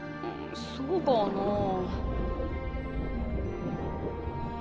そうかなあ。